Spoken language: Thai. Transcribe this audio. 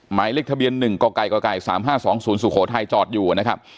หมายเลขทะเบียน๑กก๓๕๒๐สุโขทัยจอดอยู่นะครับ